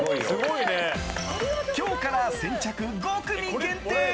今日から先着５組限定